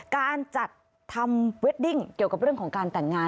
การจัดทำเวดดิ้งเกี่ยวกับเรื่องของการแต่งงาน